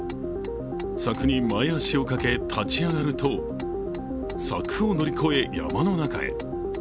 柵に前足をかけ、立ち上がると柵を乗り越え、山の中へ。